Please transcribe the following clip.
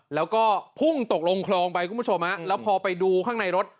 แล้วก็พุ่งตกลงคลองไปคุณผู้ชมฮะแล้วพอไปดูข้างในรถ